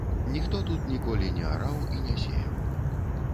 Ніхто тут ніколі не араў, не сеяў.